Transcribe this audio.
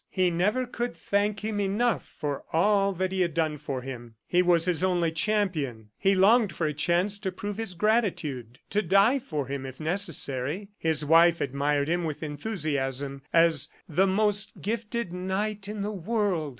He never could thank him enough for all that he had done for him. He was his only champion. He longed for a chance to prove his gratitude, to die for him if necessary. His wife admired him with enthusiasm as "the most gifted knight in the world."